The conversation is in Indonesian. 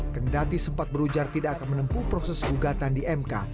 kendati sempat berujar tidak akan menempuh proses gugatan di mk